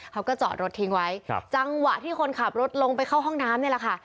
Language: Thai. เขาก็จอดรถทิ้งไว้จังหวะที่คนขับรถลงไปเข้าห้องน้ำนี่แหละค่ะ